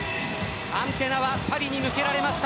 アンテナはパリに向けられました。